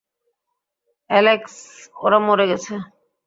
Alex, ওরা মরে গেছে!